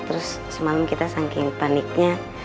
terus semalam kita saking paniknya